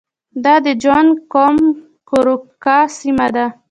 دا د جوانګ قوم کورواکه سیمه ده.